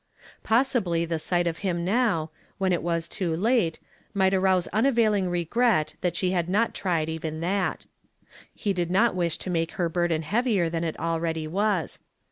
Possibly the sight of him now, when it was too bite, might arouse unavailing regret that she had not tried even that. He did. not wish to make her l)urden heavier than it already was.